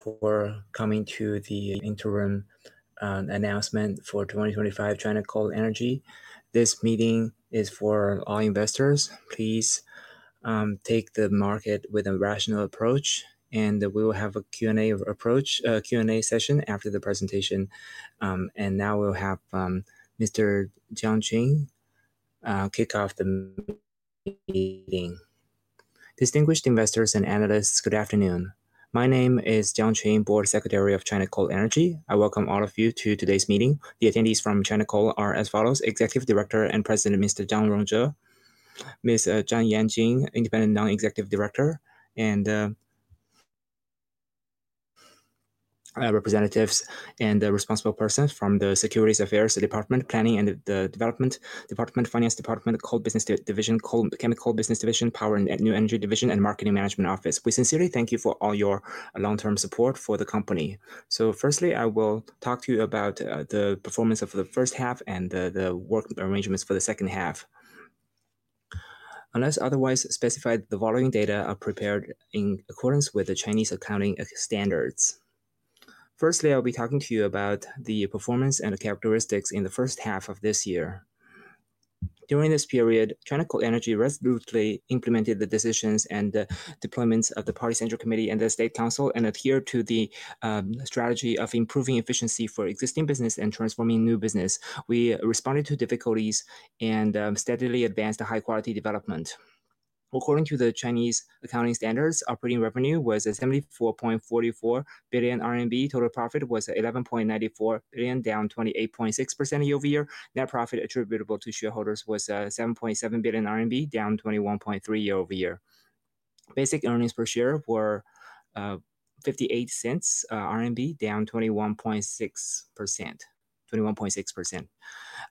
For coming to the interim announcement for 2025 China Coal Energy, this meeting is for all investors. Please, take the market with a rational approach, and we will have a Q&A session after the presentation. Now we'll have Mr. Jiang Cheng kick off the meeting. Distinguished investors and analysts, good afternoon. My name is Jiang Cheng, Board Secretary of China Coal Energy. I welcome all of you to today's meeting. The attendees from China Coal are as follows: Executive Director and President Mr. Zhang Rongzhe, Ms. Zhang Yanjing, Independent Non-Executive Director, and representatives and responsible persons from the Securities Affairs Department, Planning and Development Department, Finance Department, Coal Business Division, Chemical Business Division, Power and New Energy Division, and Marketing Management Office. We sincerely thank you for all your long-term support for the company. Firstly, I will talk to you about the performance of the first half and the work arrangements for the second half. Unless otherwise specified, the following data are prepared in accordance with the Chinese accounting standards. Firstly, I'll be talking to you about the performance and the characteristics in the first half of this year. During this period, China Coal Energy resolutely implemented the decisions and the deployments of the Party Central Committee and the State Council and adhered to the strategy of improving efficiency for existing business and transforming new business. We responded to difficulties and steadily advanced a high-quality development. According to the Chinese accounting standards, operating revenue was 74.44 billion RMB, total profit was 11.94 billion, down 28.6% year-over-year. Net profit attributable to shareholders was 7.7 billion RMB, down 21.3% year-over-year. Basic earnings per share were 0.58, down 21.6%.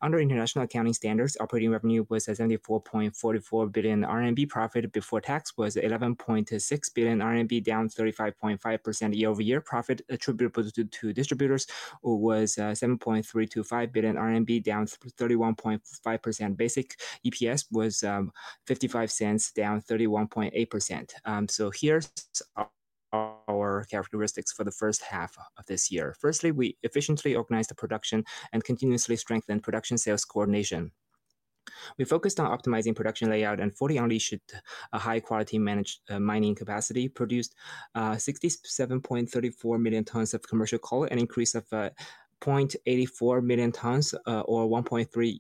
Under international accounting standards, operating revenue was 74.44 billion RMB, profit before tax was 11.6 billion RMB, down 35.5% year-over-year. Profit attributable to distributors was 7.325 billion RMB, down 31.5%. Basic EPS was 0.55, down 31.8%. Here are our characteristics for the first half of this year. Firstly, we efficiently organized the production and continuously strengthened production-sales coordination. We focused on optimizing production layout and 40-year-old issued high-quality mining capacity, produced 67.34 million tons of commercial coal and increased 0.84 million tons, or 1.3%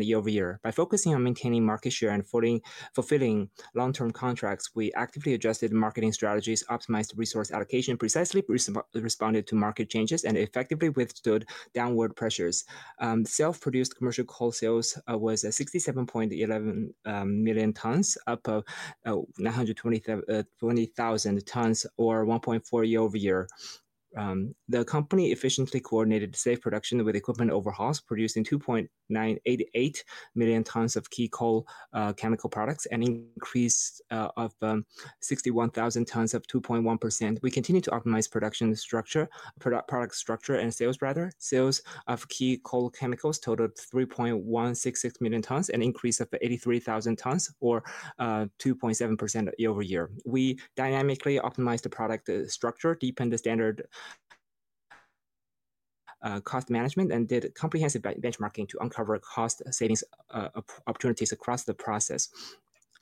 year-over-year. By focusing on maintaining market share and fulfilling long-term contracts, we actively adjusted marketing strategies, optimized resource allocation, precisely responded to market changes, and effectively withstood downward pressures. Self-produced commercial coal sales were 67.11 million tons, up 120,000 tons, or 1.4% year-over-year. The company efficiently coordinated safe production with equipment overhauls, producing 2.88 million tons of key coal chemical products and an increase of 61,000 tons or 2.1%. We continued to optimize production structure, product structure, and sales, rather, sales of key coal chemicals, total 3.166 million tons, and an increase of 83,000 tons, or 2.7% year-over-year. We dynamically optimized the product structure, deepened the standard cost management, and did comprehensive benchmarking to uncover cost savings opportunities across the process.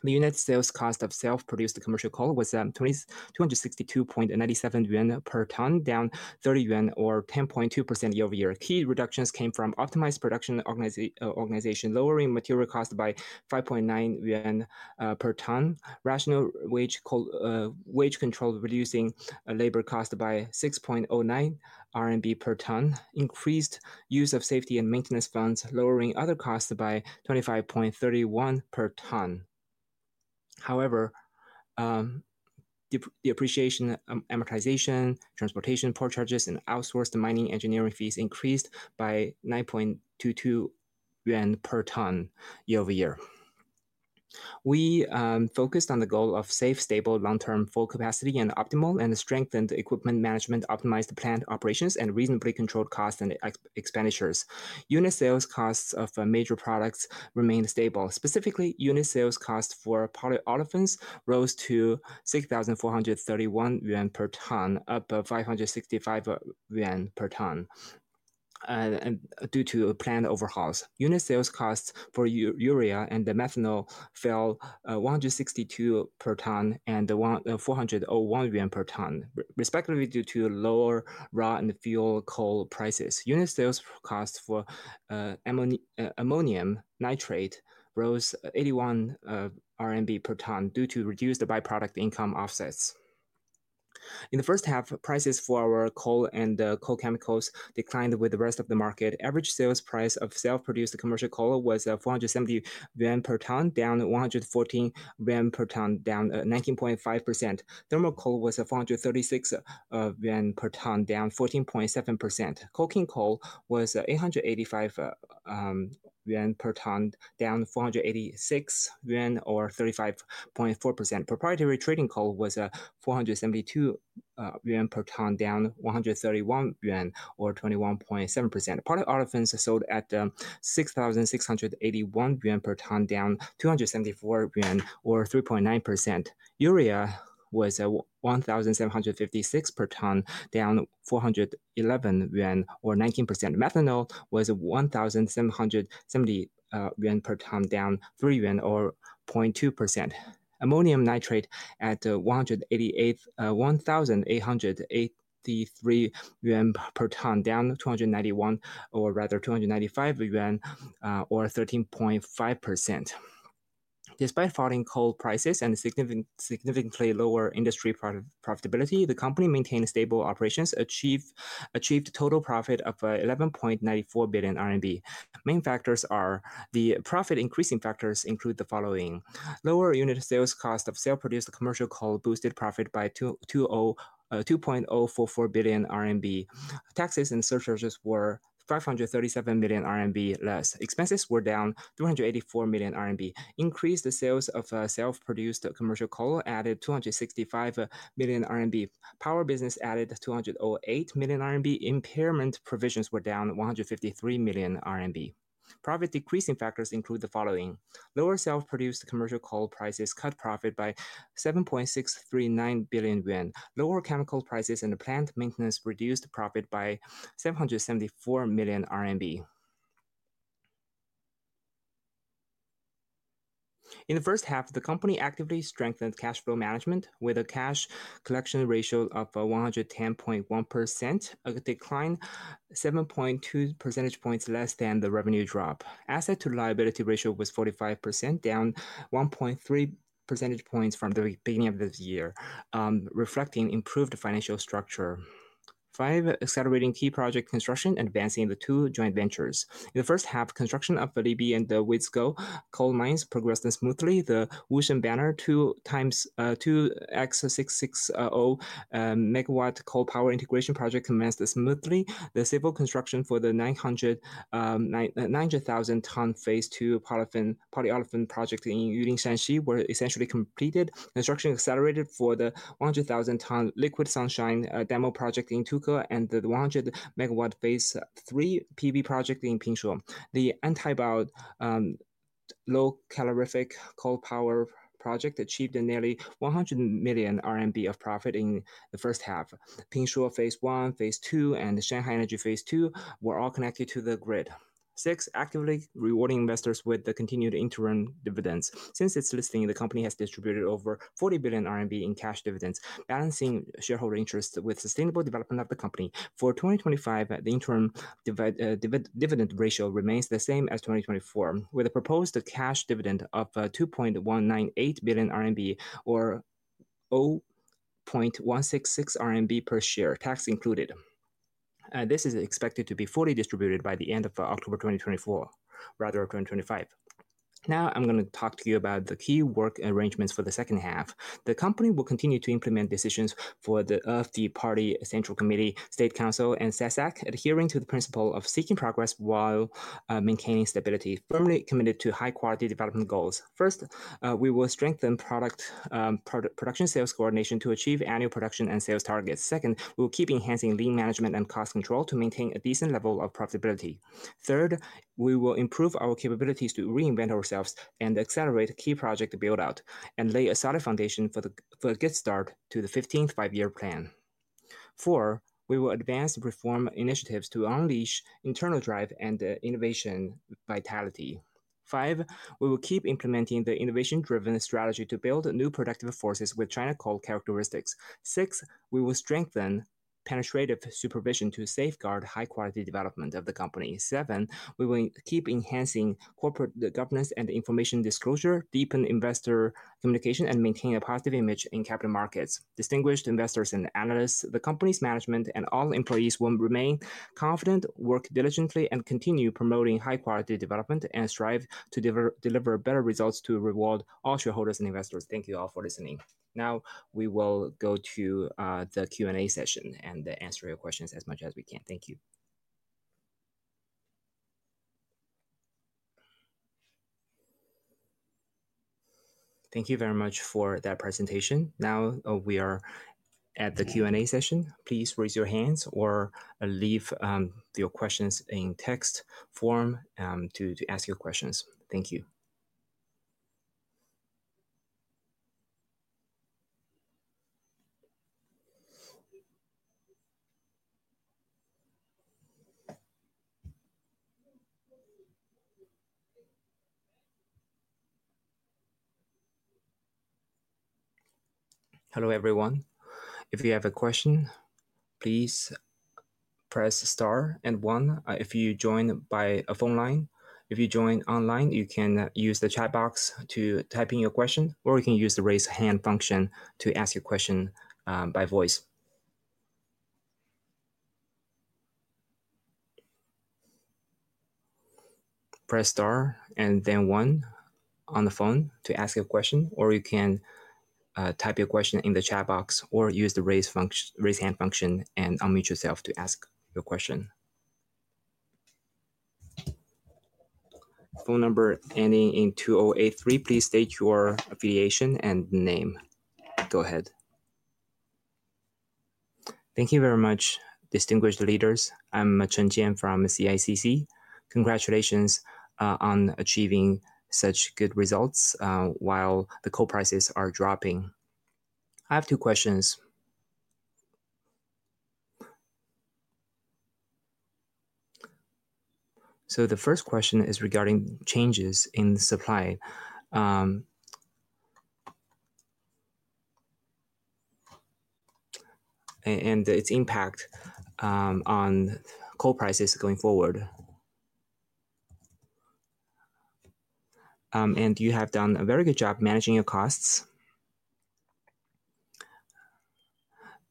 The unit sales cost of self-produced commercial coal was 262.97 yuan per ton, down 30 yuan, or 10.2% year-over-year. Key reductions came from optimized production organization, lowering material costs by 5.9 yuan per ton, rational wage control, reducing labor costs by 6.09 RMB per ton, increased use of safety and maintenance funds, lowering other costs by 25.31 per ton. However, depreciation, amortization, transportation port charges, and outsourced mining engineering fees increased by 9.22 yuan per ton year-over-year. We focused on the goal of safe, stable, long-term full capacity and optimal, and strengthened equipment management, optimized plant operations, and reasonably controlled costs and expenditures. Unit sales costs of major products remained stable. Specifically, unit sales costs for polyolefins rose to 6,431 yuan per ton, up 565 yuan per ton, due to planned overhauls. Unit sales costs for urea and methanol fell 162 per ton and 401 yuan per ton, respectively, due to lower raw and fuel coal prices. Unit sales costs for ammonium nitrate rose 81 RMB per ton due to reduced byproduct income offsets. In the first half, prices for our coal and coal chemicals declined with the rest of the market. Average sales price of self-produced commercial coal was 470 yuan per ton, down 114 yuan per ton, down 19.5%. Thermal coal was 436 yuan per ton, down 14.7%. Coking coal was 885 yuan per ton, down 486 yuan, or 35.4%. Proprietary trading coal was 472 yuan per ton, down 131 yuan, or 21.7%. Polyolefins sold at 6,681 yuan per ton, down 274 yuan, or 3.9%. Urea was 1,756 per ton, down 411 yuan, or 19%. Methanol was 1,770 yuan per ton, down 3 yuan, or 0.2%. Ammonium nitrate at CNY 1,883 per ton, down 295 yuan, or 13.5%. Despite falling coal prices and significantly lower industry profitability, the company maintained stable operations and achieved a total profit of 11.94 billion RMB. Main profit increasing factors include the following: lower unit sales cost of self-produced commercial coal boosted profit by 2.044 billion RMB. Taxes and surcharges were 537 million RMB less. Expenses were down 384 million RMB. Increased sales of self-produced commercial coal added 265 million RMB. Power business added 208 million RMB. Impairment provisions were down 153 million RMB. Profit decreasing factors include the following: lower self-produced commercial coal prices cut profit by 7.639 billion yuan. Lower chemical prices and plant maintenance reduced profit by 774 million RMB. In the first half, the company actively strengthened cash flow management with a cash collection ratio of 110.1%, a decline 7.2 percentage points less than the revenue drop. Asset to liability ratio was 45%, down 1.3 percentage points from the beginning of this year, reflecting improved financial structure. Five accelerating key project construction advancing the two joint ventures. In the first half, construction of Libi coal mine and Weizigou coal mine progressed smoothly. The Wushenqi 2x660 MW coal power integration project commenced smoothly. The civil construction for the 900,000-ton Phase II polyolefin project in Yuling, Shaanxi was essentially completed. Construction accelerated for the 100,000-ton Liquid Sunshine demo project in Tuke, and the 100 MW Phase III PV project in Pingshuo. The antibiotic low-calorific coal power project achieved nearly 100 million RMB of profit in the first half. Pingshuo Phase I, Phase II, and Shanghai Energy Phase II were all connected to the grid. Six actively rewarding investors with the continued interim dividends. Since its listing, the company has distributed over 40 billion RMB in cash dividends, balancing shareholder interests with sustainable development of the company. For 2025, the interim dividend ratio remains the same as 2024, with a proposed cash dividend of 2.198 billion RMB, or 0.166 RMB per share, tax included. This is expected to be fully distributed by the end of October 2024, rather than 2025. Now I'm going to talk to you about the key work arrangements for the second half. The company will continue to implement decisions of the Party Central Committee, State Council, and CSAC, adhering to the principle of seeking progress while maintaining stability, firmly committed to high-quality development goals. First, we will strengthen product production-sales coordination to achieve annual production and sales targets. Second, we will keep enhancing lean management and cost control to maintain a decent level of profitability. Third, we will improve our capabilities to reinvent ourselves and accelerate key project build-out and lay a solid foundation for a good start to the 15th five-year plan. Fourth, we will advance reform initiatives to unleash internal drive and innovation vitality. Fifth, we will keep implementing the innovation-driven strategy to build new productive forces with China Coal characteristics. Sixth, we will strengthen penetrative supervision to safeguard high-quality development of the company. Seventh, we will keep enhancing corporate governance and information disclosure, deepen investor communication, and maintain a positive image in capital markets. Distinguished investors and analysts, the company's management and all employees will remain confident, work diligently, and continue promoting high-quality development and strive to deliver better results to reward all shareholders and investors. Thank you all for listening. Now we will go to the Q&A session and answer your questions as much as we can. Thank you. Thank you very much for that presentation. Now we are at the Q&A session. Please raise your hands or leave your questions in text form to ask your questions. Thank you. Hello, everyone. If you have a question, please press star and one if you join by a phone line. If you join online, you can use the chat box to type in your question, or you can use the raise hand function to ask your question by voice. Press star and then one on the phone to ask your question, or you can type your question in the chat box or use the raise hand function and unmute yourself to ask your question. Phone number ending in 2083, please state your affiliation and name. Go ahead. Thank you very much, distinguished leaders. I'm Chen Jian from CICC. Congratulations on achieving such good results while the coal prices are dropping. I have two questions. The first question is regarding changes in supply and its impact on coal prices going forward. You have done a very good job managing your costs.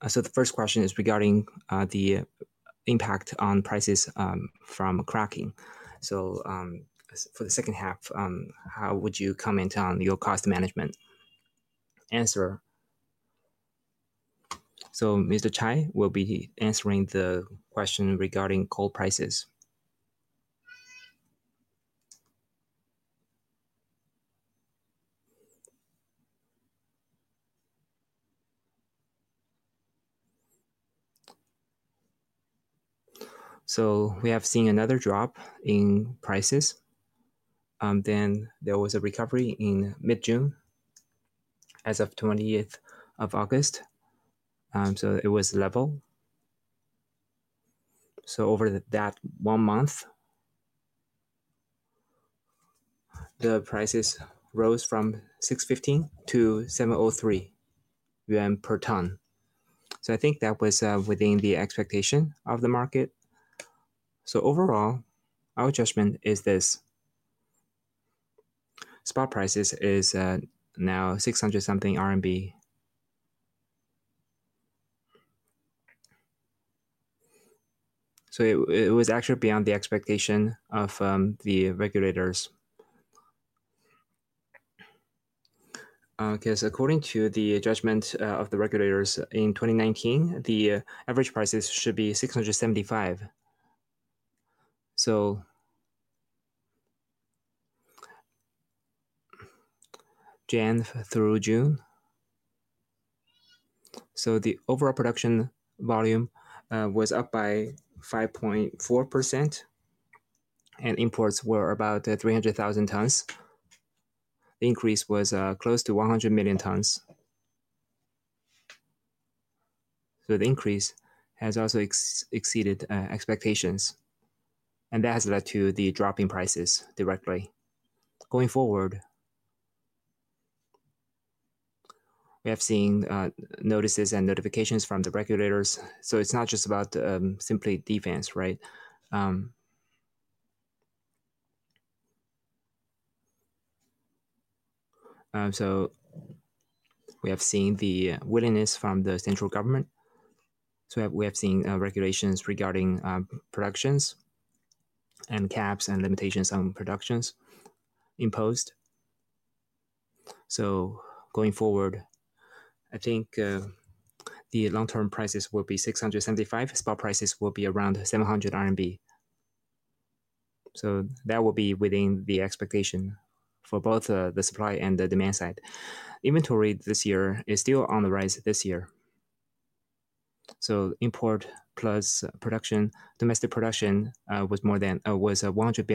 The first question is regarding the impact on prices from cracking. For the second half, how would you comment on your cost management? Answer. Mr. Chai will be answering the question regarding coal prices. We have seen another drop in prices. There was a recovery in mid-June as of 28th of August. It was level. Over that one month, the prices rose from 61-703 yuan per ton. I think that was within the expectation of the market. Overall, our judgment is this. Spot prices are now 600-something RMB. It was actually beyond the expectation of the regulators. According to the judgment of the regulators in 2019, the average prices should be 675. January through June, the overall production volume was up by 5.4% and imports were about 300 million tons. The increase was close to 100 million tons. The increase has also exceeded expectations, and that has led to the drop in prices directly. Going forward, we have seen notices and notifications from the regulators. It is not just about simply defense, right? We have seen the willingness from the central government. We have seen regulations regarding productions and caps and limitations on productions imposed. Going forward, I think the long-term prices will be 675. Spot prices will be around 700 RMB. That will be within the expectation for both the supply and the demand side. Inventory this year is still on the rise. Import plus production, domestic production was more than 100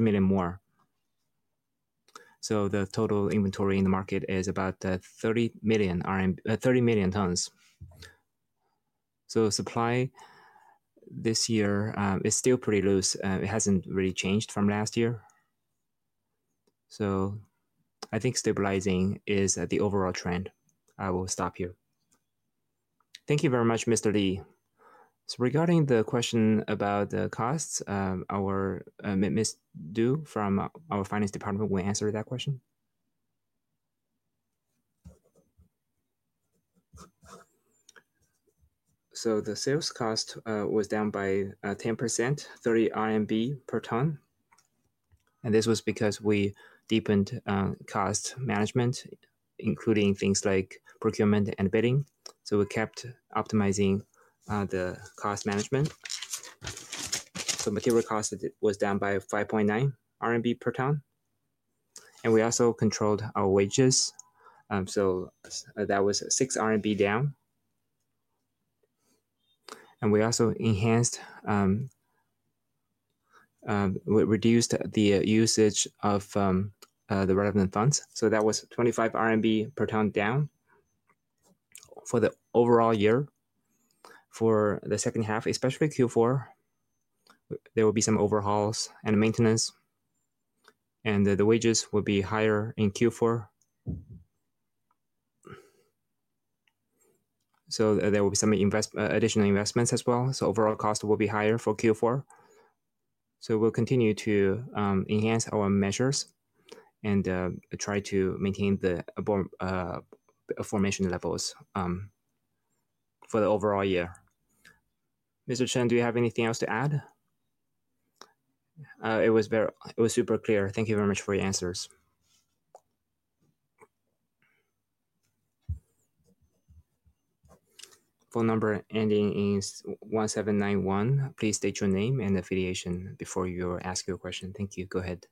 million more. The total inventory in the market is about 30 million tons. Supply this year is still pretty loose. It hasn't really changed from last year. I think stabilizing is the overall trend. I will stop here. Thank you very much, Mr. Li. Regarding the question about the costs, our Ms. Du from our finance department will answer that question. The sales cost was down by 10%, 30 RMB per ton. This was because we deepened cost management, including things like procurement and bidding. We kept optimizing the cost management. The material cost was down by 5.9 RMB per ton. We also controlled our wages. That was RMB 6 down. We also reduced the usage of the relevant funds. That was 25 RMB per ton down for the overall year. For the second half, especially Q4, there will be some overhauls and maintenance. The wages will be higher in Q4. There will be some additional investments as well. Overall cost will be higher for Q4. We'll continue to enhance our measures and try to maintain the formation levels for the overall year. Mr. Chen, do you have anything else to add? It was super clear. Thank you very much for your answers. Phone number ending in 1791. Please state your name and affiliation before you ask your question. Thank you. Go ahead.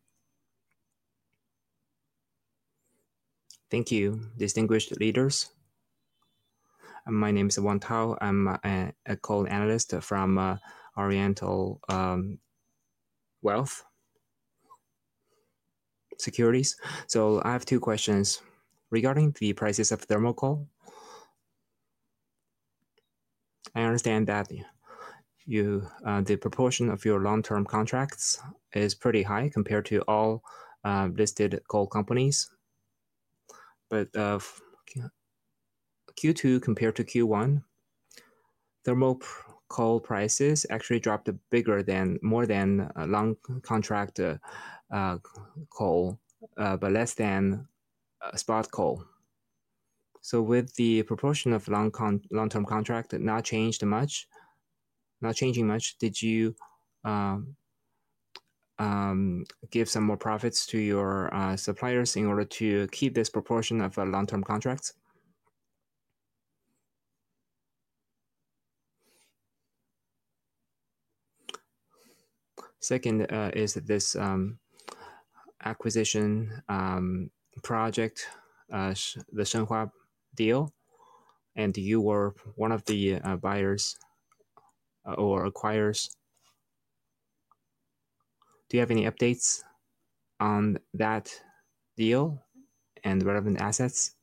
Thank you, distinguished leaders. My name is Wan Tao. I'm a coal analyst from Oriental Wealth Securities. I have two questions regarding the prices of thermal coal. I understand that the proportion of your long-term contracts is pretty high compared to all listed coal companies. Q2 compared to Q1, thermal coal prices actually dropped bigger than long-contract coal, but less than spot coal. With the proportion of long-term contracts not changing much, did you give some more profits to your suppliers in order to keep this proportion of long-term contracts? Second is this acquisition project, the Shanghai deal, and you were one of the buyers or acquirers. Do you have any updates on that deal and relevant assets?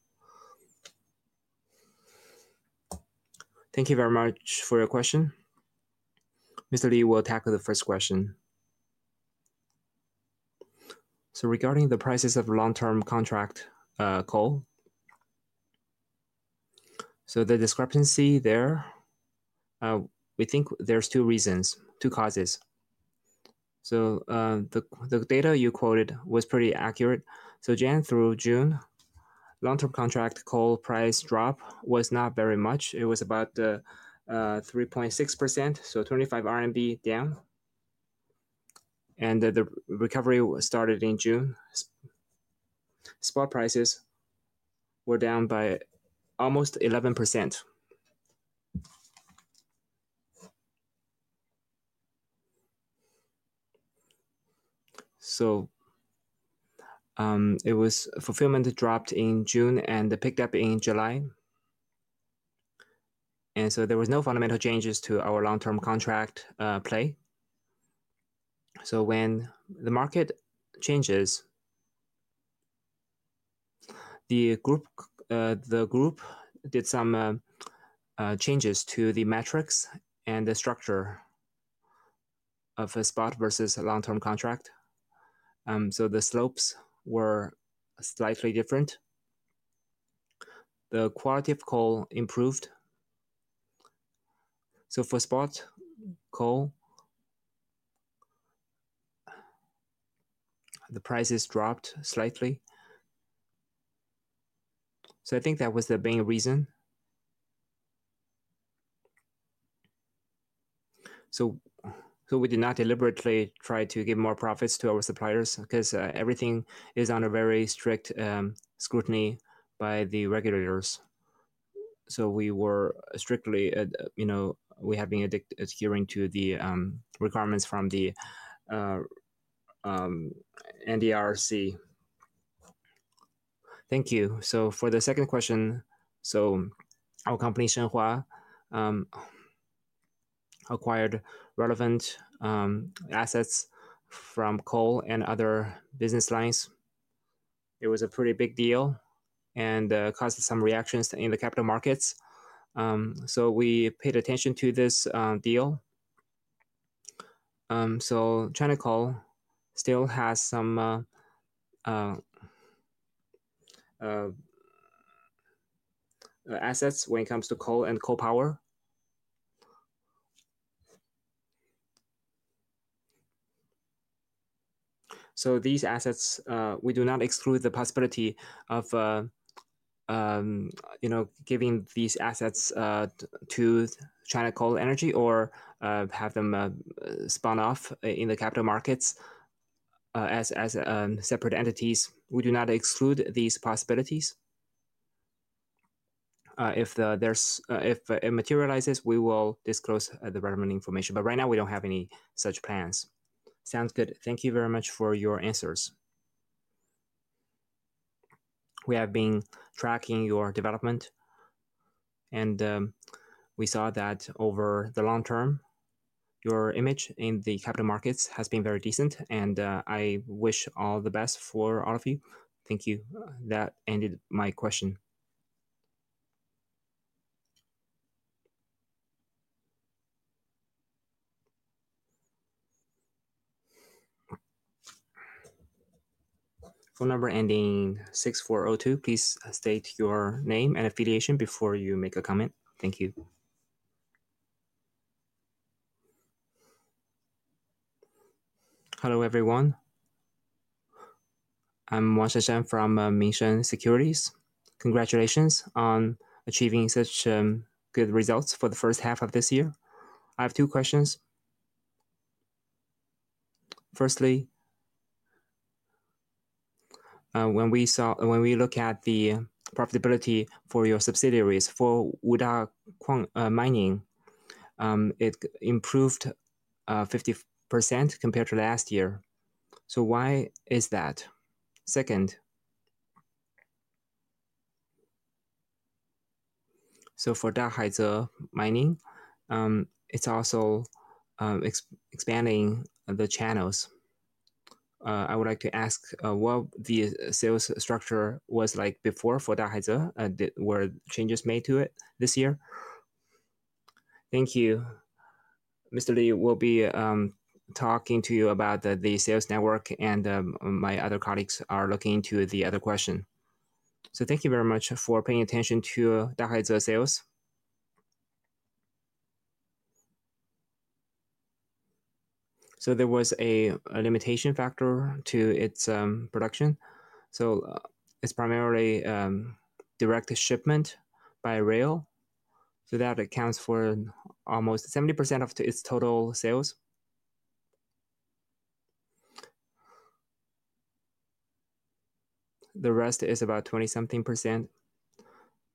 Thank you very much for your question. Mr. Li will tackle the first question. Regarding the prices of long-term contract coal, the discrepancy there, we think there's two reasons, two causes. The data you quoted was pretty accurate. January through June, long-term contract coal price drop was not very much. It was about 3.6%, so 25 RMB down. The recovery started in June. Spot prices were down by almost 11%. Fulfillment dropped in June and picked up in July. There were no fundamental changes to our long-term contract play. When the market changes, the group did some changes to the metrics and the structure of a spot versus a long-term contract. The slopes were slightly different. The quality of coal improved. For spot coal, the prices dropped slightly. I think that was the main reason. We did not deliberately try to give more profits to our suppliers because everything is under very strict scrutiny by the regulators. We have been adhering to the requirements from the NDRC. Thank you. For the second question, our company, Shanghai, acquired relevant assets from coal and other business lines. It was a pretty big deal and caused some reactions in the capital markets. We paid attention to this deal. China Coal Energy still has some assets when it comes to coal and coal power. These assets, we do not exclude the possibility of giving these assets to China Coal Energy or having them spun off in the capital markets as separate entities. We do not exclude these possibilities. If it materializes, we will disclose the relevant information. Right now, we don't have any such plans. Sounds good. Thank you very much for your answers. We have been tracking your development. We saw that over the long term, your image in the capital markets has been very decent. I wish all the best for all of you. Thank you. That ended my question. Phone number ending in 6402. Please state your name and affiliation before you make a comment. Thank you. Hello, everyone. I'm Wan Zhizhen from Mingshan Securities. Congratulations on achieving such good results for the first half of this year. I have two questions. Firstly, when we look at the profitability for your subsidiaries without quant mining, it improved 50% compared to last year. Why is that? Second, for Dahaize mining, it's also expanding the channels. I would like to ask what the sales structure was like before for Dahaize. Were changes made to it this year? Thank you. Mr. Li will be talking to you about the sales network, and my other colleagues are looking into the other question. Thank you very much for paying attention to Dahaize sales. There was a limitation factor to its production. It's primarily direct shipment by rail. That accounts for almost 70% of its total sales. The rest is about 20-something %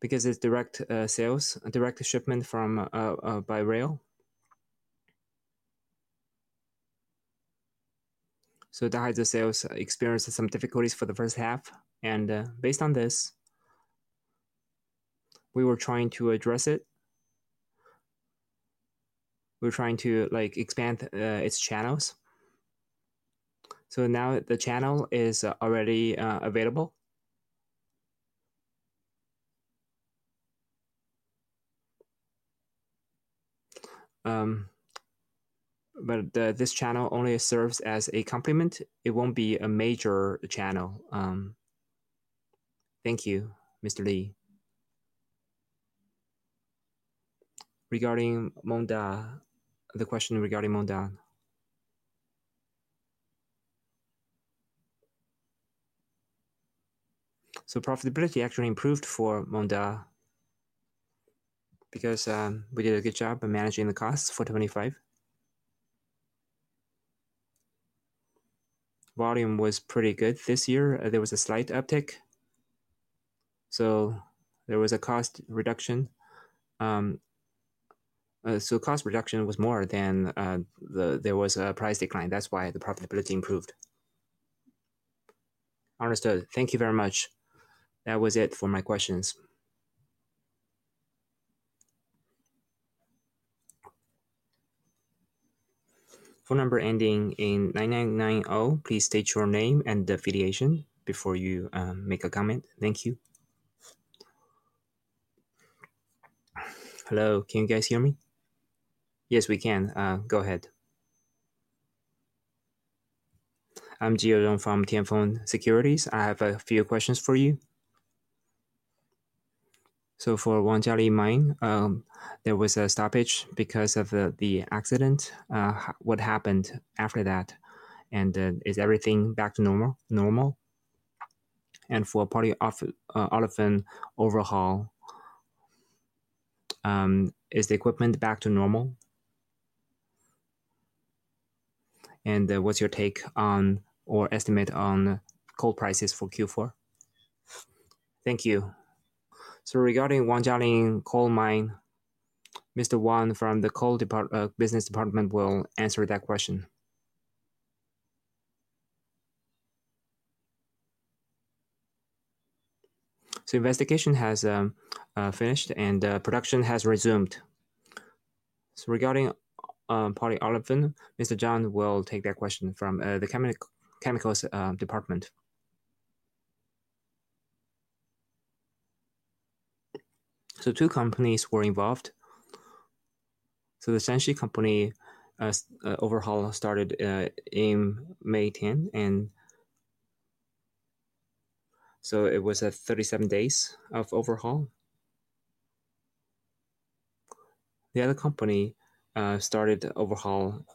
because it's direct sales, direct shipment by rail. Dahaize sales experienced some difficulties for the first half. Based on this, we were trying to address it. We were trying to expand its channels. Now the channel is already available. This channel only serves as a complement. It won't be a major channel. Thank you, Mr. Li. Regarding Wuda, the question regarding Wuda. Profitability actually improved for Wuda because we did a good job of managing the costs for 25. Volume was pretty good this year. There was a slight uptick. There was a cost reduction. Cost reduction was more than there was a price decline. That's why the profitability improved. Understood. Thank you very much. That was it for my questions. Phone number ending in 9990. Please state your name and affiliation before you make a comment. Thank you. Hello, can you guys hear me? Yes, we can. Go ahead. I'm Ji Yun from Tianfeng Securities. I have a few questions for you. For Wangjialing Mine, there was a stoppage because of the accident. What happened after that? Is everything back to normal? For polyolefin overhaul, is the equipment back to normal? What's your take on or estimate on coal prices for Q4? Thank you. Regarding Wangjialing Coal Mine, Mr. Wan from the Coal Business Department will answer that question. Investigation has finished and production has resumed. Regarding polyolefin, Mr. Zhang will take that question from the Chemicals Department. Two companies were involved. The Shaanxi Company overhaul started on May 10. It was 37 days of overhaul. The other company started overhaul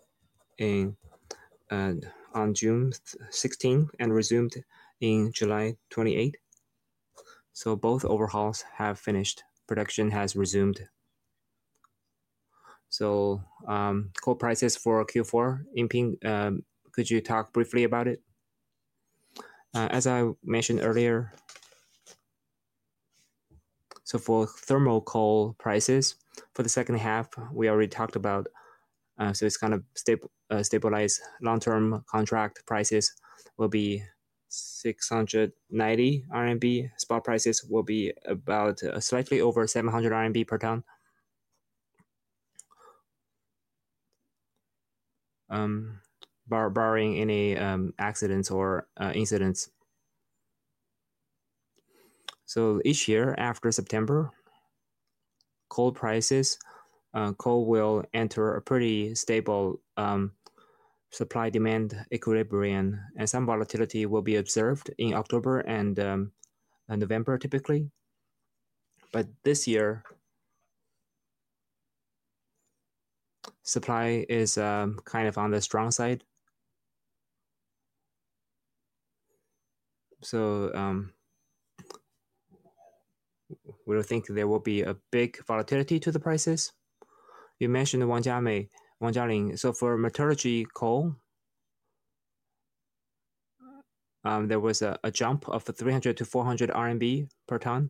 on June 16 and resumed on July 28. Both overhauls have finished. Production has resumed. Coal prices for Q4, in Ping, could you talk briefly about it? As I mentioned earlier, for thermal coal prices for the second half, we already talked about, it's kind of stabilized. Long-term contract prices will be 690 RMB. Spot prices will be about slightly over 700 RMB per ton, barring any accidents or incidents. Each year after September, coal prices, coal will enter a pretty stable supply-demand equilibrium. Some volatility will be observed in October and November typically. This year, supply is kind of on the strong side. We don't think there will be a big volatility to the prices. You mentioned Wangjialing. For metallurgy coal, there was a jump of 300-400 RMB per ton.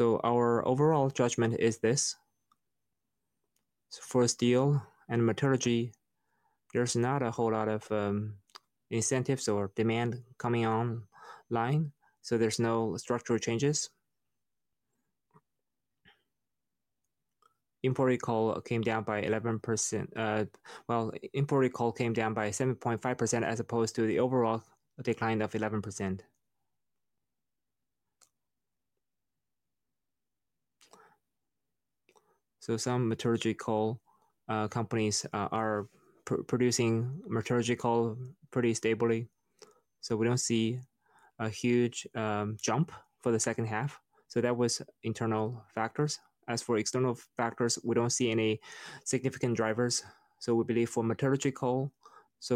Our overall judgment is this. For steel and metallurgy, there's not a whole lot of incentives or demand coming online. There's no structural changes. Imported coal came down by 7.5% as opposed to the overall decline of 11%. Some metallurgy coal companies are producing metallurgy coal pretty stably. We don't see a huge jump for the second half. That was internal factors. As for external factors, we don't see any significant drivers. We believe for metallurgy coal,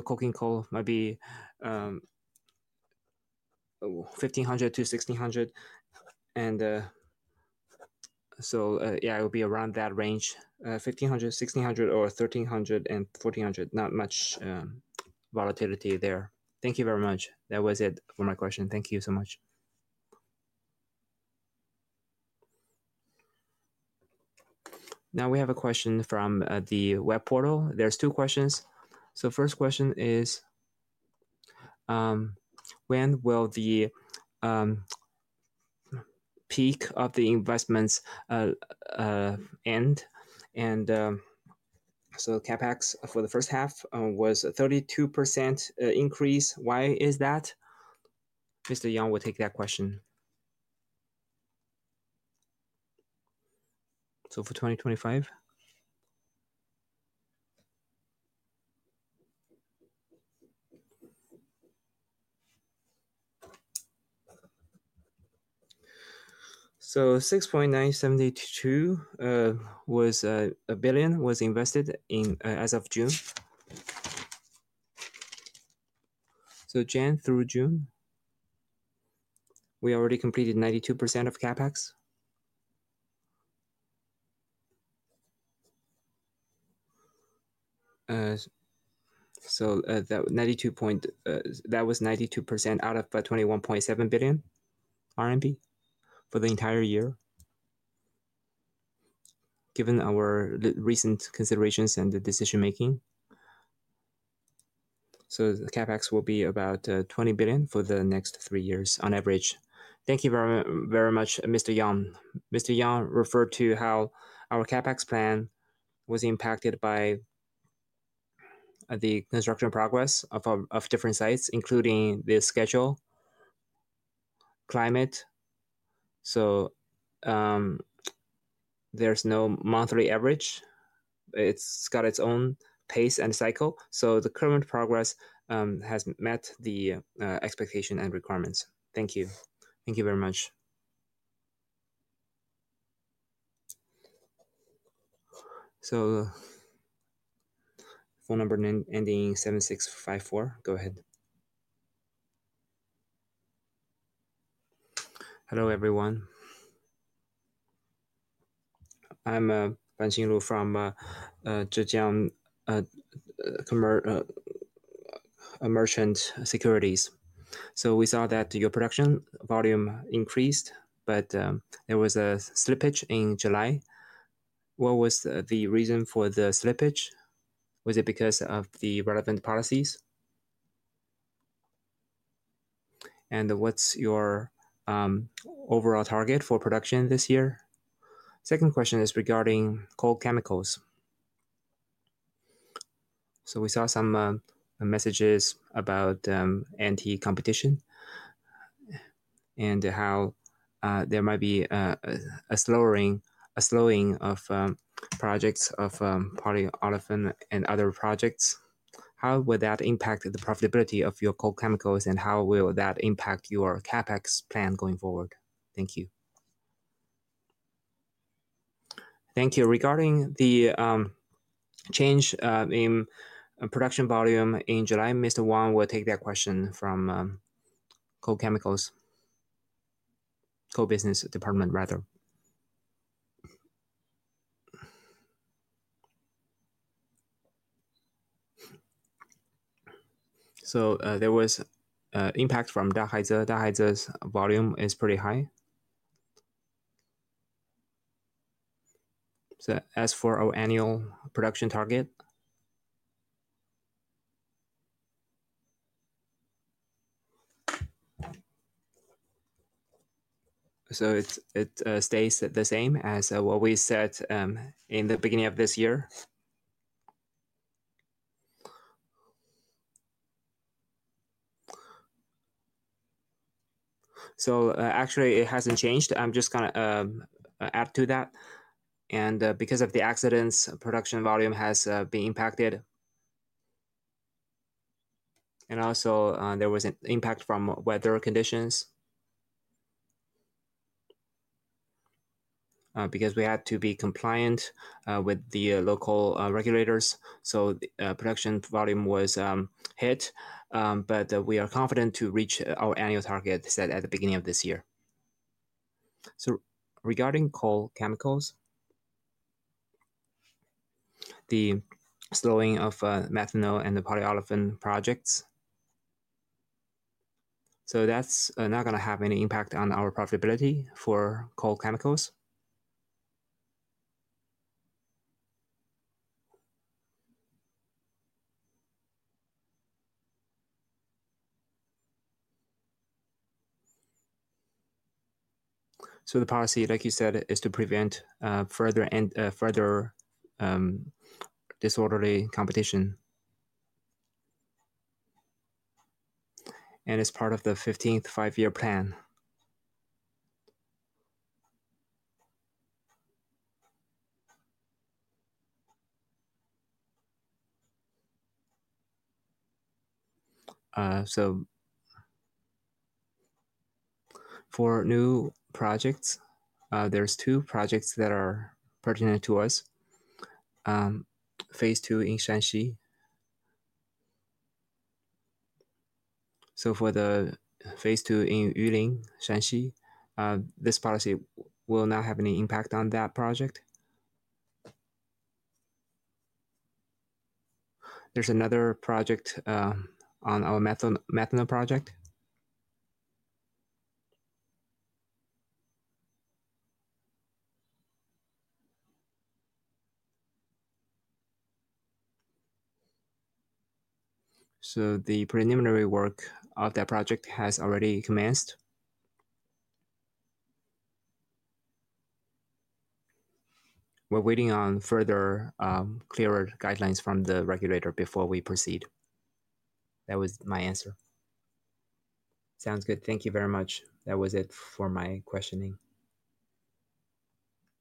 coking coal might be 1,500-1,600. It will be around that range, 1,500, 1,600, or 1,300 and 1,400. Not much volatility there. Thank you very much. That was it for my question. Thank you so much. Now we have a question from the web portal. There are two questions. First question is, when will the peak of the investments end? CapEx for the first half was a 32% increase. Why is that? Mr. Yang will take that question. For 2025, 6.972 billion was invested as of June. January through June, we already completed 92% of CapEx. That was 92% out of 21.7 billion RMB for the entire year, given our recent considerations and the decision-making. CapEx will be about 20 billion for the next three years on average. Thank you very much, Mr. Yang. Mr. Yang referred to how our CapEx plan was impacted by the construction progress of different sites, including the schedule and climate. There is no monthly average. It has its own pace and cycle. The current progress has met the expectation and requirements. Thank you. Thank you very much. Phone number ending in 7654, go ahead. Hello, everyone. I'm Banxin Lu from Zhejiang Emergent Securities. We saw that your production volume increased, but there was a slippage in July. What was the reason for the slippage? Was it because of the relevant policies? What's your overall target for production this year? Second question is regarding coal chemicals. We saw some messages about anti-competition and how there might be a slowing of projects of polyolefin and other projects. How would that impact the profitability of your coal chemicals and how will that impact your CapEx plan going forward? Thank you. Thank you. Regarding the change in production volume in July, Mr. Wang will take that question from Coal Business Department. There was an impact from Dahaize. Dahaize's volume is pretty high. As for our annual production target, it stays the same as what we set in the beginning of this year. It hasn't changed. I'm just going to add to that. Because of the accidents, production volume has been impacted. There was also an impact from weather conditions because we had to be compliant with the local regulators. Production volume was hit, but we are confident to reach our annual target set at the beginning of this year. Regarding coal chemicals, the slowing of methanol and the polyolefin projects is not going to have any impact on our profitability for coal chemicals. The policy, like you said, is to prevent further disorderly competition. It is part of the 15th five-year plan. For new projects, there are two projects that are pertinent to us. Phase II in Shaanxi. For the Phase II in Yuling, Shaanxi, this policy will not have any impact on that project. There is another project, our methanol project. The preliminary work of that project has already commenced. We are waiting on further, clearer guidelines from the regulator before we proceed. That was my answer. Sounds good. Thank you very much. That was it for my questioning.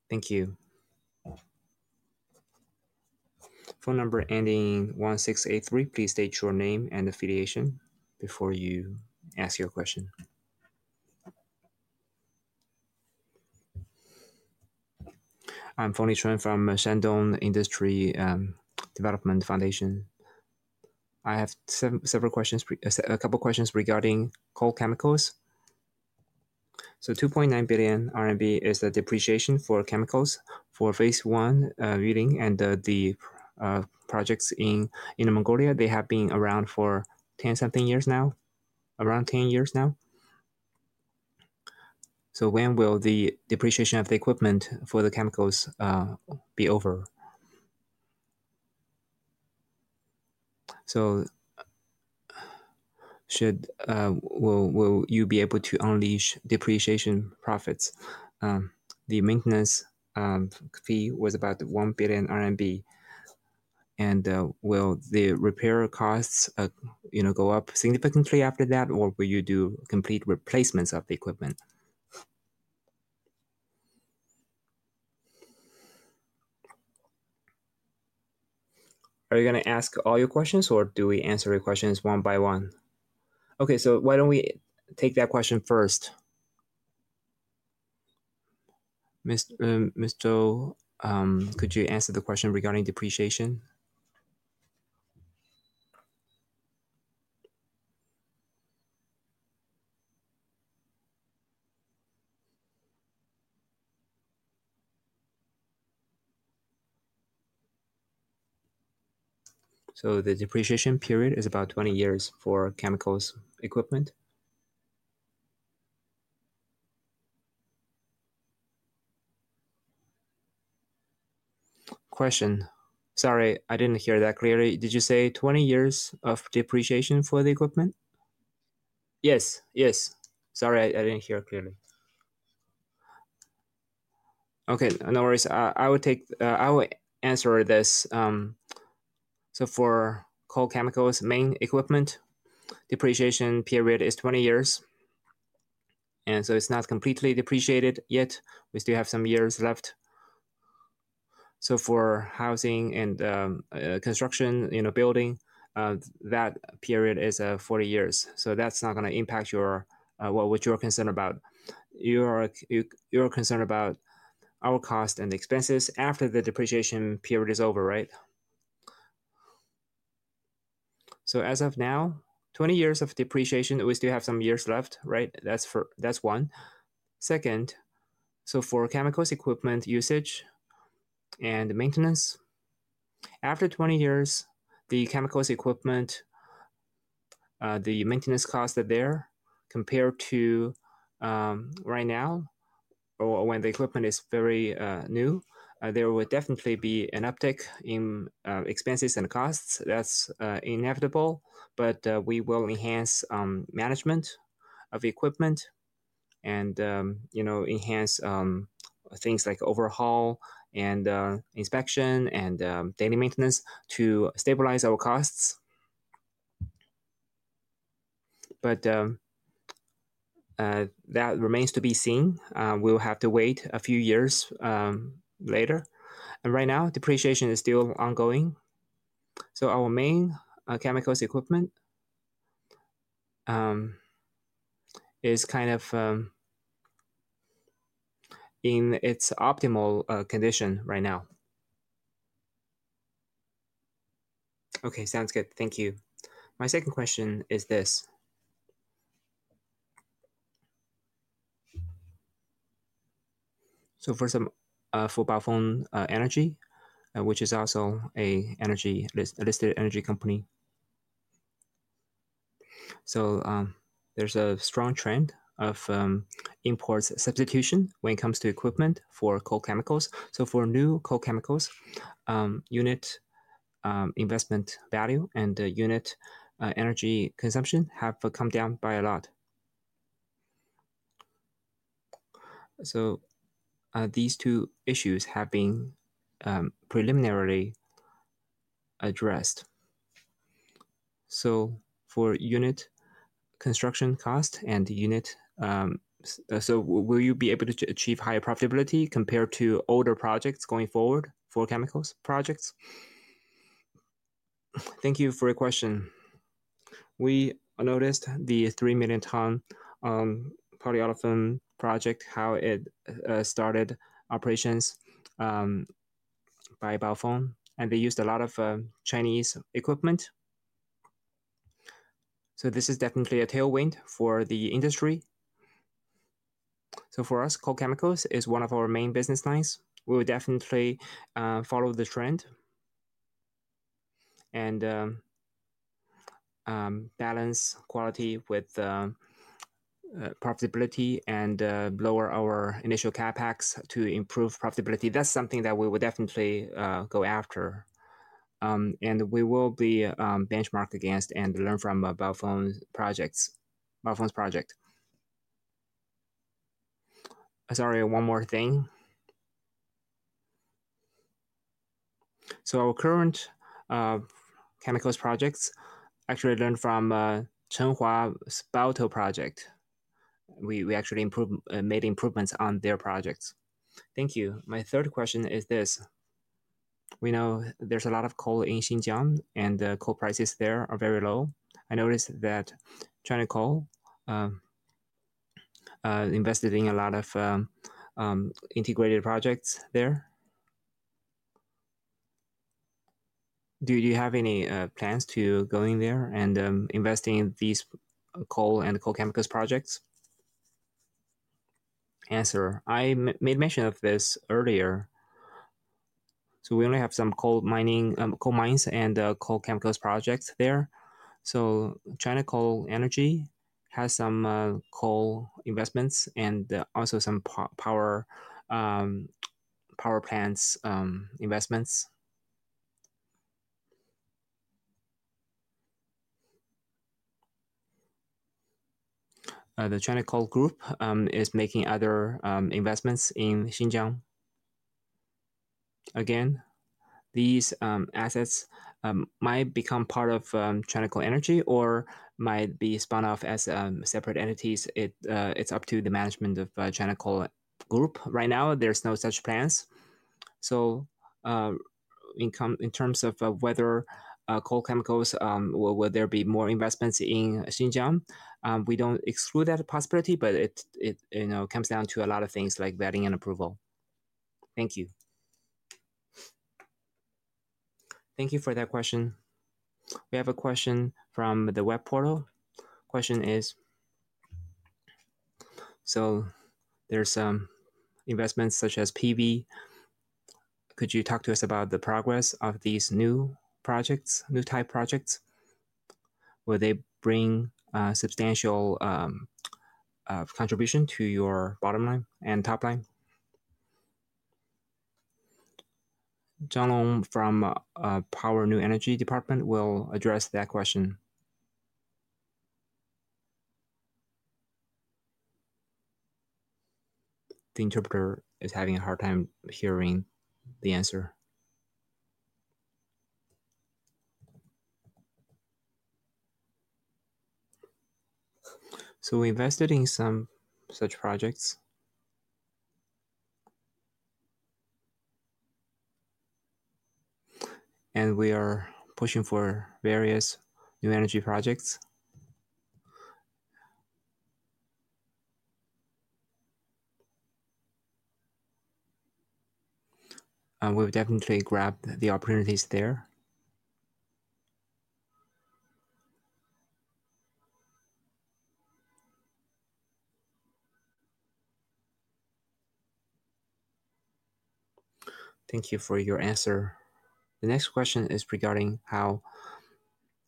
Thank you. Phone number ending in 1683. Please state your name and affiliation before you ask your question. I'm Fengli Chen from Shandong Industry Development Foundation. I have several questions, a couple of questions regarding coal chemicals. 2.9 billion RMB is the depreciation for chemicals for Phase I Yuling and the projects in Mongolia. They have been around for 10-something years now, around 10 years now. When will the depreciation of the equipment for the chemicals be over? Will you be able to unleash depreciation profits? The maintenance fee was about 1 billion RMB. Will the repair costs go up significantly after that, or will you do complete replacements of the equipment? Are you going to ask all your questions, or do we answer your questions one by one? Okay, why don't we take that question first? Mr. Du, could you answer the question regarding depreciation? The depreciation period is about 20 years for chemicals equipment. Question. Sorry, I didn't hear that clearly. Did you say 20 years of depreciation for the equipment? Yes, yes. Sorry, I didn't hear it clearly. Okay, no worries. I will answer this. For coal chemicals main equipment, the depreciation period is 20 years. It is not completely depreciated yet. We still have some years left. For housing and construction, you know, building, that period is 40 years. That is not going to impact what you are concerned about. You are concerned about our cost and the expenses after the depreciation period is over, right? As of now, 20 years of depreciation, we still have some years left, right? That is one. Second, for chemicals equipment usage and maintenance, after 20 years, the chemicals equipment, the maintenance costs are there compared to right now, or when the equipment is very new, there will definitely be an uptick in expenses and costs. That is inevitable. We will enhance management of the equipment and enhance things like overhaul and inspection and daily maintenance to stabilize our costs. That remains to be seen. We'll have to wait a few years later. Right now, depreciation is still ongoing. Our main chemicals equipment is kind of in its optimal condition right now. Okay, sounds good. Thank you. My second question is this. For Baofeng Energy, which is also a listed energy company, there's a strong trend of import substitution when it comes to equipment for coal chemicals. For new coal chemicals, unit investment value and unit energy consumption have come down by a lot. These two issues have been preliminarily addressed. For unit construction cost and unit, will you be able to achieve higher profitability compared to older projects going forward for chemicals projects? Thank you for your question. We noticed the 3 million ton polyolefin project, how it started operations by Baofeng, and they used a lot of Chinese equipment. This is definitely a tailwind for the industry. For us, coal chemicals is one of our main business lines. We'll definitely follow the trend and balance quality with profitability and lower our initial CapEx to improve profitability. That's something that we will definitely go after. We will be benchmarked against and learn from Baofeng's project. Sorry, one more thing. Our current chemicals projects actually learn from Shenhua's Baotou project. We actually made improvements on their projects. Thank you. My third question is this. We know there's a lot of coal in Xinjiang, and the coal prices there are very low. I noticed that China Coal Energy invested in a lot of integrated projects there. Do you have any plans to go in there and invest in these coal and coal chemicals projects? Answer. I made mention of this earlier. We only have some coal mining coal mines and coal chemicals projects there. China Coal Energy has some coal investments and also some power plants investments. The China Coal Group is making other investments in Xinjiang. These assets might become part of China Coal Energy or might be spun off as separate entities. It's up to the management of China Coal Group. Right now, there's no such plans. In terms of whether coal chemicals, will there be more investments in Xinjiang? We don't exclude that possibility, but it comes down to a lot of things like vetting and approval. Thank you. Thank you for that question. We have a question from the web portal. Question is, so there's investments such as PV. Could you talk to us about the progress of these new projects, new type projects? Will they bring substantial contribution to your bottom line and top line? Zhang Long from Power New Energy Department will address that question. The interpreter is having a hard time hearing the answer. We invested in some such projects, and we are pushing for various new energy projects. We've definitely grabbed the opportunities there. Thank you for your answer. The next question is regarding how,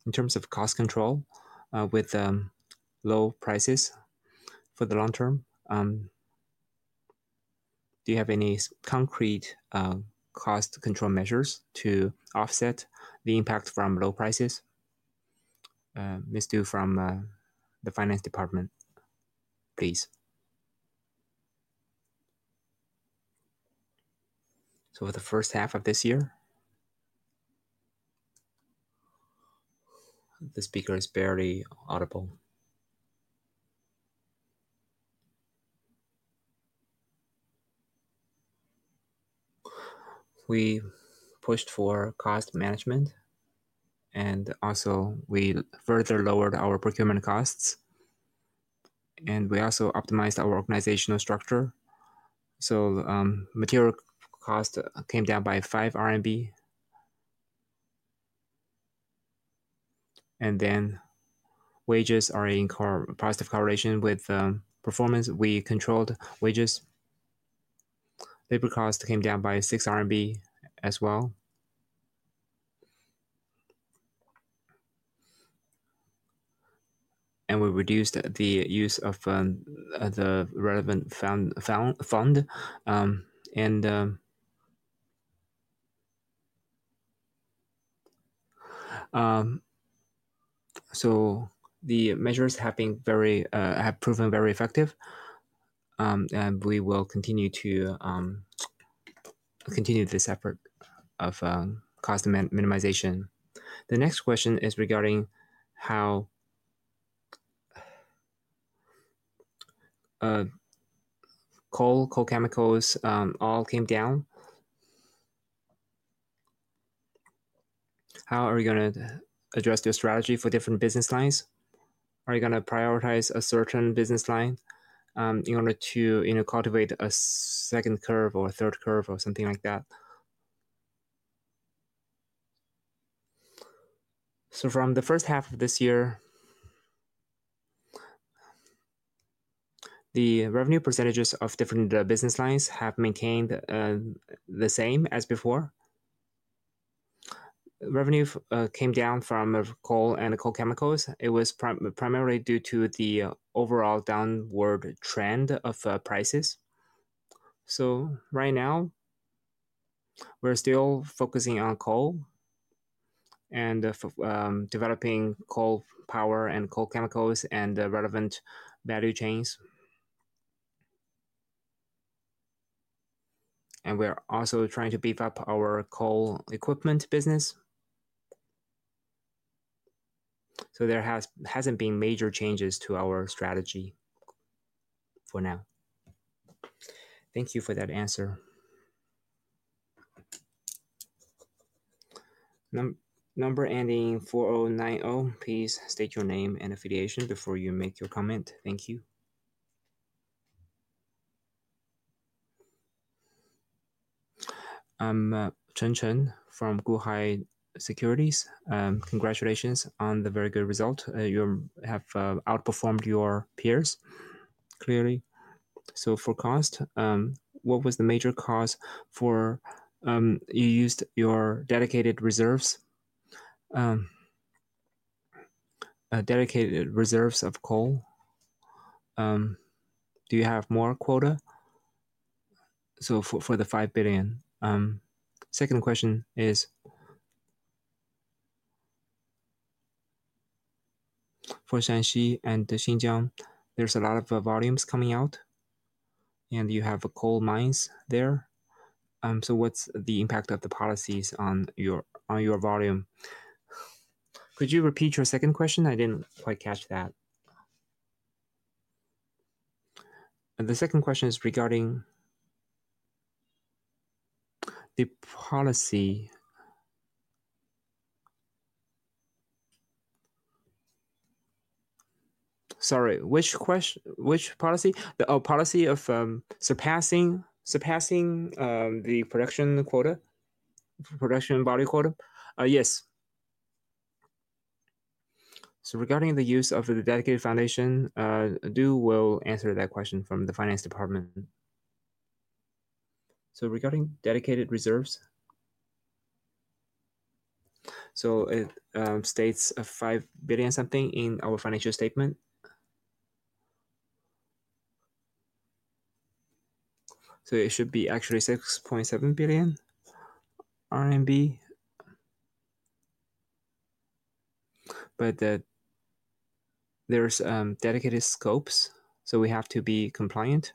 in terms of cost control with low prices for the long term. Do you have any concrete cost control measures to offset the impact from low prices? Ms. Du from the Finance Department, please. For the first half of this year, the speaker is barely audible. We pushed for cost management, and we further lowered our procurement costs. We also optimized our organizational structure. Material costs came down by 5 RMB. Wages are in positive correlation with performance. We controlled wages. Labor costs came down by 6 RMB as well. We reduced the use of the relevant fund. The measures have proven very effective. We will continue to continue this effort of cost minimization. The next question is regarding how coal, coal chemicals all came down. How are you going to address your strategy for different business lines? Are you going to prioritize a certain business line in order to cultivate a second curve or a third curve or something like that? From the first half of this year, the revenue percentages of different business lines have maintained the same as before. Revenue came down from coal and coal chemicals. It was primarily due to the overall downward trend of prices. Right now, we're still focusing on coal and developing coal power and coal chemicals and relevant value chains. We're also trying to beef up our coal equipment business. There haven't been major changes to our strategy for now. Thank you for that answer. Number ending in 4090. Please state your name and affiliation before you make your comment. Thank you. I'm Chen Chen from Gu Hai Securities. Congratulations on the very good result. You have outperformed your peers clearly. For cost, what was the major cost for you? You used your dedicated reserves, dedicated reserves of coal. Do you have more quota? For the 5 billion, second question is for Shaanxi and Xinjiang, there's a lot of volumes coming out. You have coal mines there. What's the impact of the policies on your volume? Could you repeat your second question? I didn't quite catch that. The second question is regarding the policy. Sorry, which policy? Oh, policy of surpassing the production quota, production body quota? Yes. Regarding the use of the dedicated foundation, Du will answer that question from the finance department. Regarding dedicated reserves, it states 5 billion something in our financial statement. It should be actually 6.7 billion RMB. There are dedicated scopes, so we have to be compliant.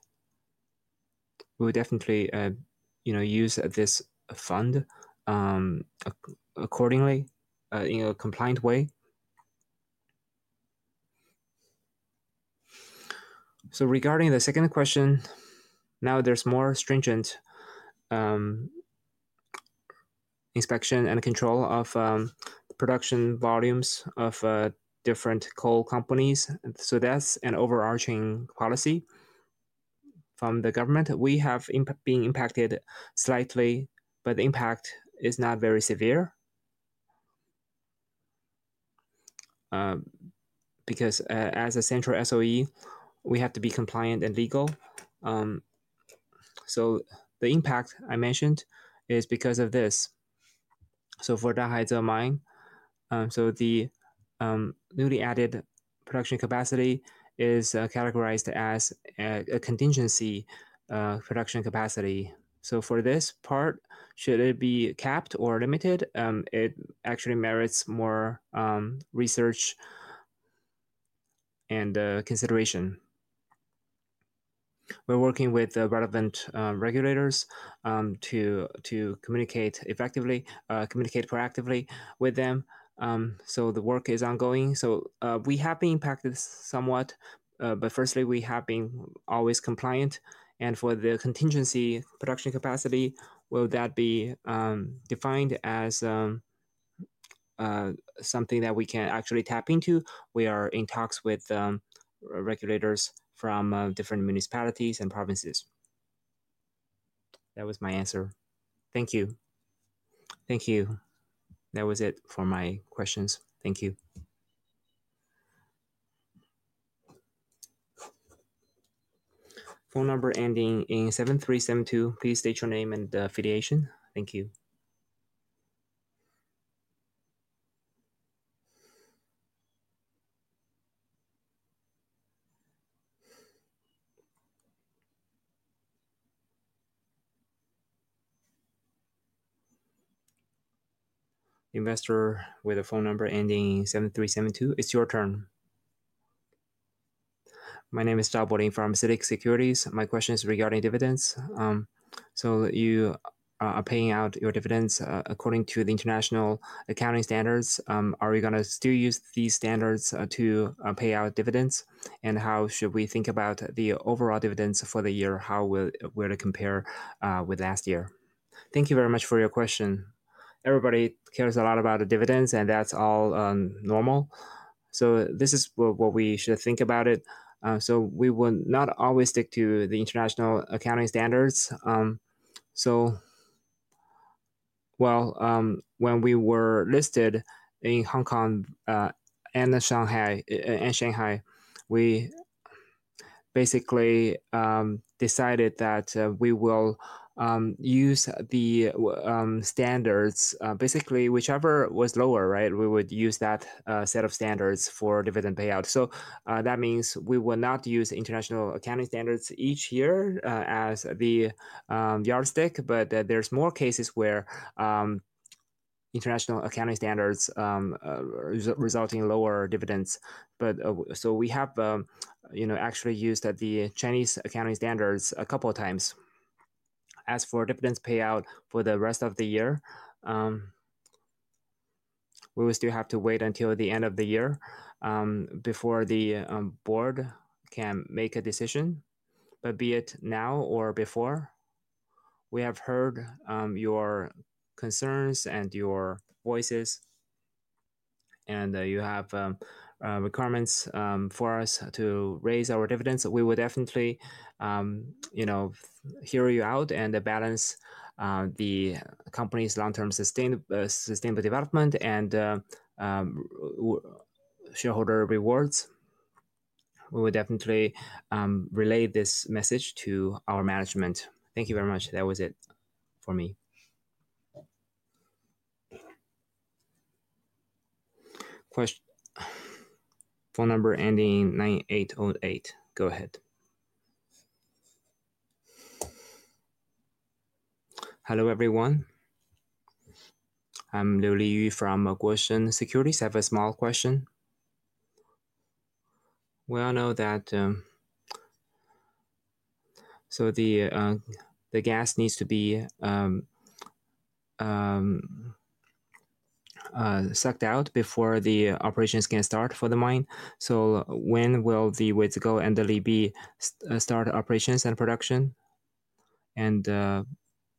We'll definitely use this fund accordingly, in a compliant way. Regarding the second question, now there's more stringent inspection and control of production volumes of different coal companies. That's an overarching policy from the government. We have been impacted slightly, but the impact is not very severe. As a central SOE, we have to be compliant and legal. The impact I mentioned is because of this. For Dahaize Mine, the newly added production capacity is categorized as a contingency production capacity. For this part, should it be capped or limited? It actually merits more research and consideration. We're working with the relevant regulators to communicate effectively, communicate proactively with them. The work is ongoing. We have been impacted somewhat, but firstly, we have been always compliant. For the contingency production capacity, will that be defined as something that we can actually tap into? We are in talks with regulators from different municipalities and provinces. That was my answer. Thank you. Thank you. That was it for my questions. Thank you. Phone number ending in 7372. Please state your name and affiliation. Thank you. Investor with a phone number ending in 7372. It's your turn. My name is Xiao Bo in CITIC Securities. My question is regarding dividends. You are paying out your dividends according to the international accounting standards. Are you going to still use these standards to pay out dividends? How should we think about the overall dividends for the year? How will it compare with last year? Thank you very much for your question. Everybody cares a lot about dividends, and that's all normal. This is what we should think about it. We will not always stick to the international accounting standards. When we were listed in Hong Kong and Shanghai, we basically decided that we will use the standards, basically whichever was lower, right? We would use that set of standards for dividend payout. That means we will not use international accounting standards each year as the yardstick, but there are more cases where international accounting standards result in lower dividends. We have actually used the Chinese accounting standards a couple of times. As for dividends payout for the rest of the year, we will still have to wait until the end of the year before the board can make a decision, be it now or before. We have heard your concerns and your voices, and you have requirements for us to raise our dividends. We will definitely hear you out and balance the company's long-term sustainable development and shareholder rewards. We will definitely relay this message to our management. Thank you very much. That was it for me. Question? Phone number ending in 9808. Go ahead. Hello, everyone. I'm Liu Li from Guoshan Securities. I have a small question. We all know that the gas needs to be sucked out before the operations can start for the mine. When will the Weizigou and the Libi start operations and production?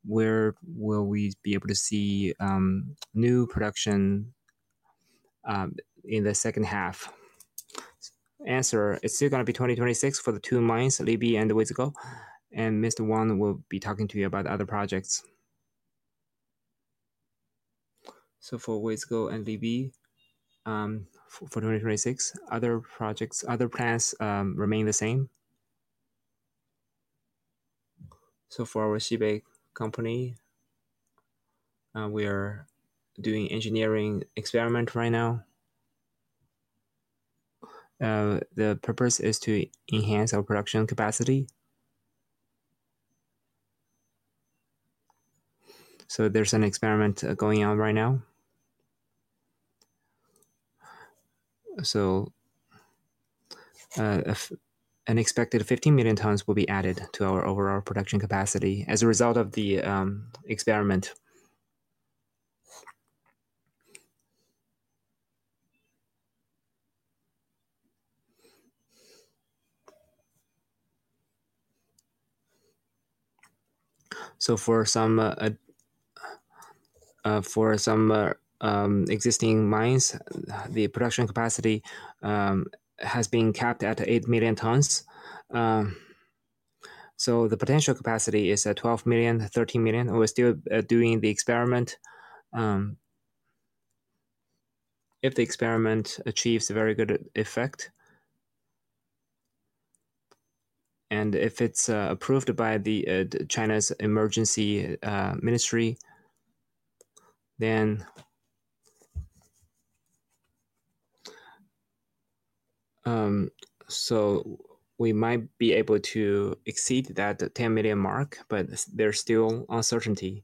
Where will we be able to see new production in the second half? Answer. It's still going to be 2026 for the two mines, Libi and Weizigou. Mr. Wang will be talking to you about other projects. For Weizigou and Libi, for 2026, other projects, other plans remain the same. For our CBEC company, we are doing engineering experiments right now. The purpose is to enhance our production capacity. There is an experiment going on right now. An expected 15 million tons will be added to our overall production capacity as a result of the experiment. For some existing mines, the production capacity has been capped at 8 million tons. The potential capacity is at 12 million, 13 million. We're still doing the experiment. If the experiment achieves a very good effect, and if it's approved by China's Emergency Ministry, then we might be able to exceed that 10 million mark, but there is still uncertainty.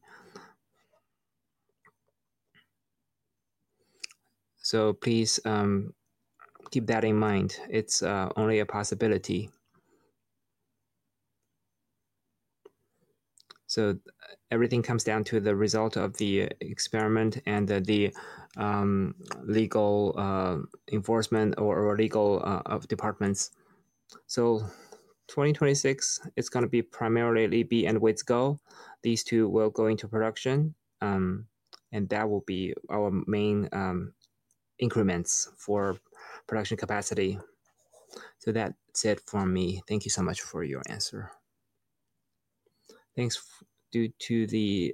Please keep that in mind. It's only a possibility. Everything comes down to the result of the experiment and the legal enforcement or legal departments. 2026 is going to be primarily Libi and Weizigou. These two will go into production, and that will be our main increments for production capacity. That's it for me. Thank you so much for your answer. Thanks. For the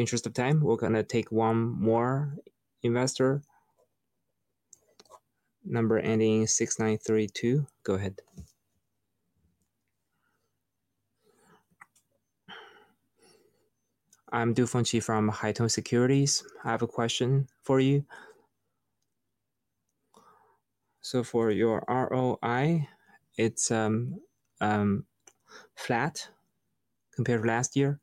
interest of time, we're going to take one more investor. Number ending in 6932. Go ahead. I'm Du Fengchi from Haitong Securities. I have a question for you. For your ROI, it's flat compared to last year.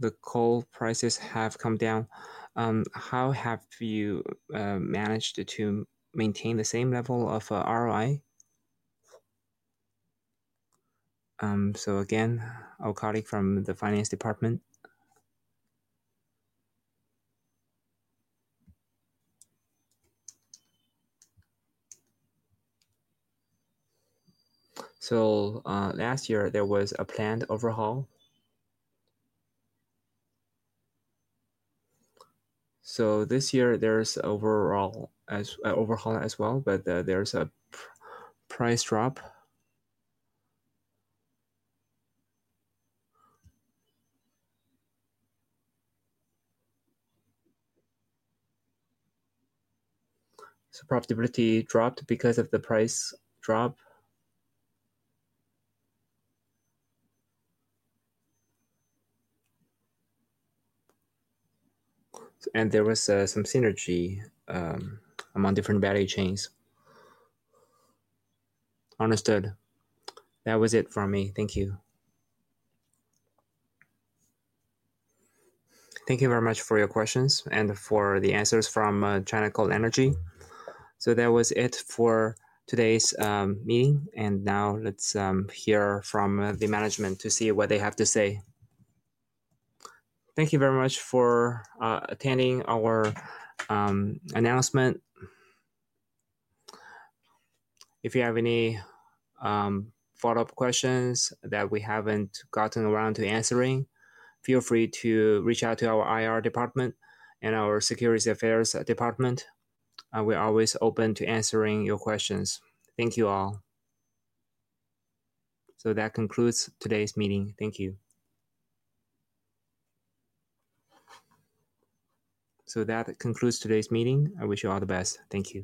The coal prices have come down. How have you managed to maintain the same level of ROI? Our colleague from the finance department. Last year there was a planned overhaul. This year there's overhaul as well, but there's a price drop. Profitability dropped because of the price drop. There was some synergy among different value chains. Understood. That was it for me. Thank you. Thank you very much for your questions and for the answers from China Coal Energy. That was it for today's meeting. Now let's hear from the management to see what they have to say. Thank you very much for attending our announcement. If you have any follow-up questions that we haven't gotten around to answering, feel free to reach out to our IR department and our Securities Affairs Department. We're always open to answering your questions. Thank you all. That concludes today's meeting. Thank you. That concludes today's meeting. I wish you all the best. Thank you.